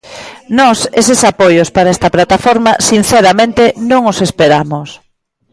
Nós eses apoios para esta plataforma sinceramente non os esperamos.